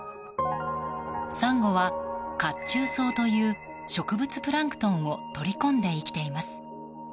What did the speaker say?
サンゴは、褐虫藻という植物プランクトンを取り込んで生きています。